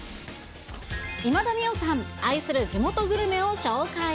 今田美桜さん、愛する地元グルメを紹介。